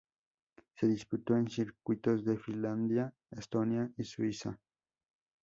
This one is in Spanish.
Se Disputó en circuitos de Finlandia, Estonia y Suecia.